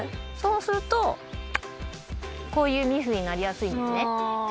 そうするとこういうミスになりやすいんですね。